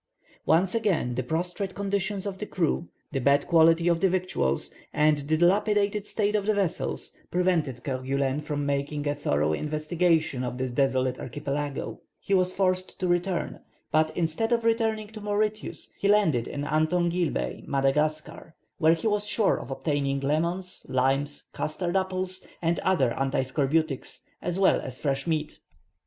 Once again, the prostrate condition of the crew, the bad quality of the victuals, and the dilapidated state of the vessels, prevented Kerguelen from making a thorough investigation of this desolate archipelago. He was forced to return; but, instead of returning to Mauritius, he landed in Antongil Bay, Madagascar, where he was sure of obtaining lemons, limes, custard apples, and other anti scorbutics, as well as fresh meat.